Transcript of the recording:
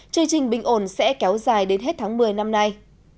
chương trình bình ổn sẽ kéo dài đến hết tháng một mươi năm nay